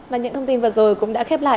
và những thông tin vừa rồi cũng đã khép lại